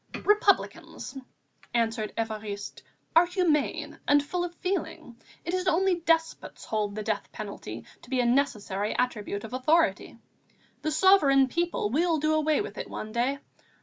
"Republicans," answered Évariste, "are humane and full of feeling. It is only despots hold the death penalty to be a necessary attribute of authority. The sovereign people will do away with it one day.